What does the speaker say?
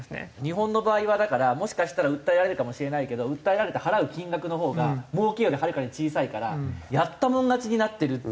日本の場合はだからもしかしたら訴えられるかもしれないけど訴えられて払う金額のほうがもうけよりはるかに小さいからやったもん勝ちになってるっていう。